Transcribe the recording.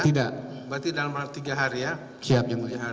tidak berarti dalam tiga hari ya